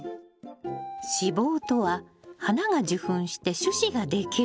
子房とは花が受粉して種子ができる部分なの。